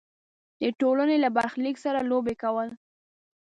د ټولنې له برخلیک سره لوبې کول.